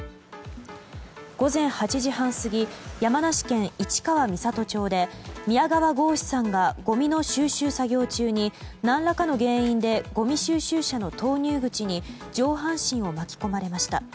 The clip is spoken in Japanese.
午前８時半過ぎ山梨県市川三郷町で宮川耿志さんがごみの収集作業中に何らかの原因でごみ収集車の投入口に上半身を巻き込まれました。